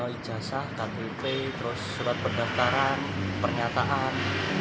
ijazah kpup terus surat perdaftaran pernyataan